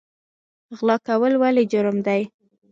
غلا کول ولې جرم دی؟